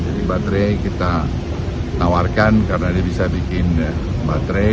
jadi baterai kita tawarkan karena dia bisa bikin baterai